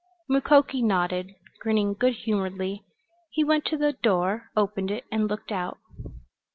Mukoki nodded, grinning good humoredly. He went to the door, opened it and looked out.